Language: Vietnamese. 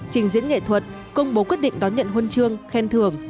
trình diễn nghệ thuật công bố quyết định đón nhận huân chương khen thưởng